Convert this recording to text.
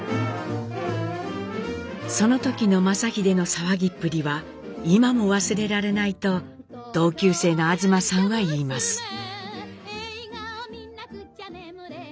その時の正英の騒ぎっぷりは今も忘れられないと同級生の東さんは言います。